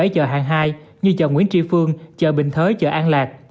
bảy chợ hạng hai như chợ nguyễn tri phương chợ bình thới chợ an lạc